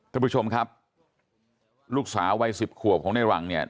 ทุกผู้ชมครับลูกสาววัยสิบขวบของในหลังเนี่ย